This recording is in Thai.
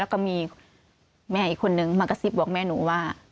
แล้วก็มีแม่อีกคนนึงมากระซิบบอกแม่หนูว่า